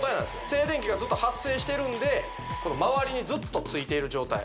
静電気がずっと発生してるんでまわりにずっとついている状態